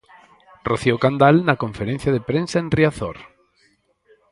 Rocío Candal na conferencia de prensa en Riazor.